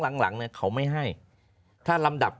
หลายครั้งหลายครั้งหลายครั้งหลายครั้ง